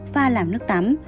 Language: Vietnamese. pha làm nước tắm